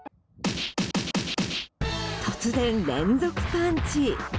突然、連続パンチ。